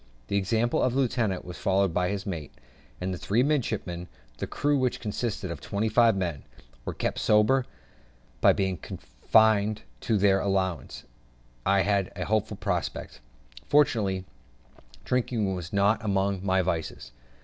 The example of the lieutenant was followed by his mate, and three midshipmen; the crew, which consisted of twenty five men, were kept sober by being confined to their allowance, and I had a hopeful prospect. Fortunately, drinking was not among my vices.